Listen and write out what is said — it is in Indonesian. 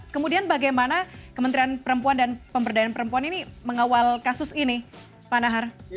kemudian bagaimana kementerian perempuan dan pemberdayaan perempuan ini mengawal kasus ini pak nahar